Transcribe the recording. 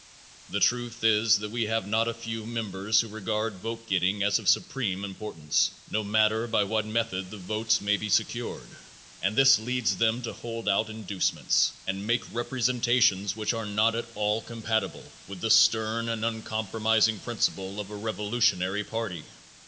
The truth is that we have not a few members who regard vote getting as of supreme importance, no matter by what method the votes may be secured, and this leads them to hold out inducements and make representations which are not at all compatible with the stern and uncompromising principles of a revolutionary party.